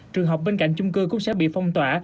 trường học bên cạnh chung cư cũng sẽ bị phong tỏa